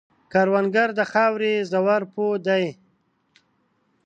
کروندګر د خاورې ژور پوه دی